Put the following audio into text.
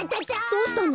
どうしたの？